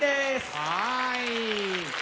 はい！